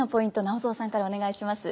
直三さんからお願いします。